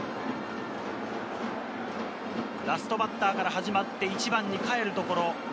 ラストバッターから始まって、１番にかえるところ。